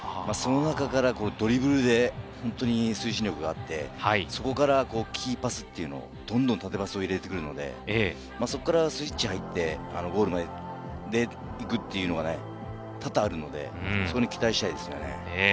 その中からドリブルで推進力があって、そこからキーパスというのどんどん縦パスを入れてくるので、そこからスイッチが入って、ゴールまで行くというのが、多々あるのでそこに期待したいです。